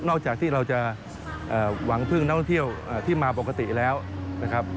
อกจากที่เราจะหวังพึ่งนักท่องเที่ยวที่มาปกติแล้วนะครับ